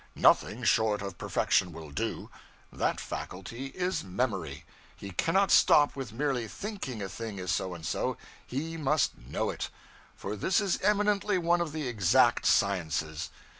Nothing short of perfection will do. That faculty is memory. He cannot stop with merely thinking a thing is so and so; he must know it; for this is eminently one of the 'exact' sciences.